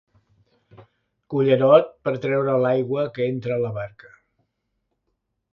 Cullerot per treure l'aigua que entra a la barca.